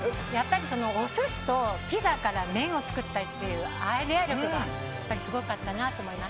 お寿司とピザから麺を作ったというアイデアがすごかったなと思います。